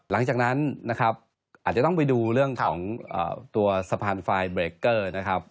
หลังจากนั้นนะครับอาจจะต้องไปดูเรื่องของตัวสะพานไฟล์เบรกเกอร์นะครับ